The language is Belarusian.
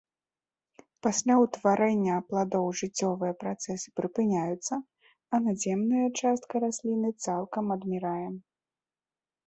Пасля ўтварэння пладоў жыццёвыя працэсы прыпыняюцца, а надземная частка расліны цалкам адмірае.